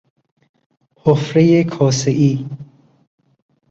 حفرهی کاسهای